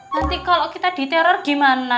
nanti kalau kita diteror gimana